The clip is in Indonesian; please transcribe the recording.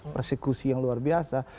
persekusi yang luar biasa